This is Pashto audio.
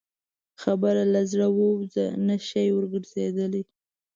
خبره له زړه ووځه، نه شې ورګرځېدلی.